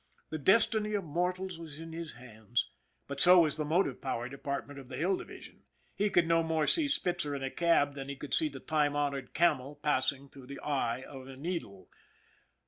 The destiny of mortals was in his hands but so was the motive power de partment of the Hill Division. He could no more see Spitzer in a cab than he could see the time honored camel passing through the eye of a needle.